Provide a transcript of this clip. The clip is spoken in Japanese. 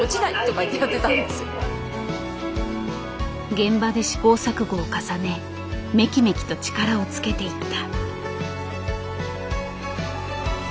現場で試行錯誤を重ねめきめきと力をつけていった。